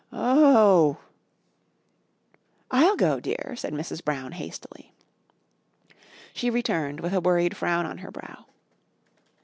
"Oh " "I'll go, dear," said Mrs. Brown hastily. She returned with a worried frown on her brow.